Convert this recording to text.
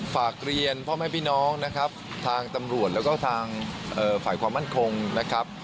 ฝากเรียนพ่อแม่พี่น้องนะครับทางตำรวจแล้วก็ทางฝ่ายความมั่นคงนะครับ